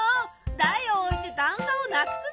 台を置いて段差をなくすのか。